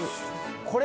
これ？